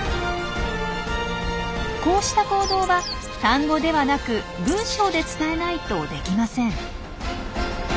こうした行動は単語ではなく文章で伝えないとできません。